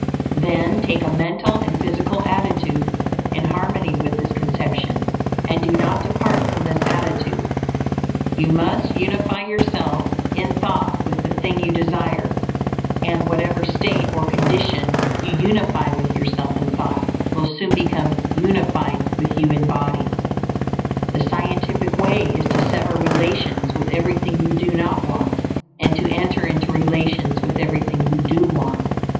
Then take a mental and physical attitude in harmony with this conception; and do not depart from this attitude. You must unify yourself in thought with the thing you desire; and whatever state or condition you unify with yourself in thought will soon become unified with you in body. The scientific way is to sever relations with everything you do not want, and to enter into relations with everything you do want.